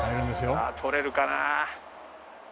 さあ撮れるかな。